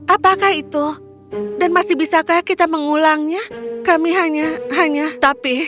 apakah itu dan masih bisakah kita mengulangnya kami hanya tapi